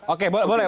oke boleh boleh